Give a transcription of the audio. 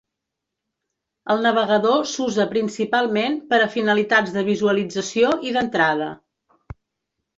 El navegador s'usa principalment per a finalitats de visualització i d'entrada.